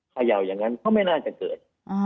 เขย่าอย่างนั้นก็ไม่น่าจะเกิด